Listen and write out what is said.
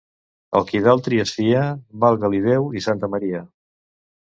Al qui d'altri es fia, valga-li Déu i Santa Maria.